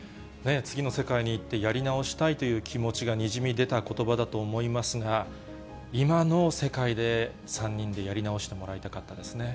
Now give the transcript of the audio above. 次の世界に行って、やり直したいという気持ちがにじみ出たことばだと思いますが、今の世界で３人でやり直してもらいたかったですね。